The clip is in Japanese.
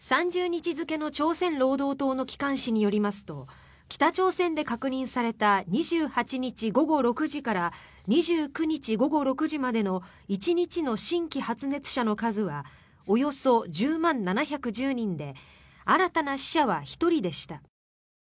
３０日付の朝鮮労働党の機関紙によりますと北朝鮮で確認された２８日午後６時から２９日午後６時までの１日の新規発熱者の数はおよそ１０万７１０人で新たな死者は１人でした。